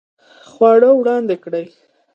خواړه وړاندې کړئ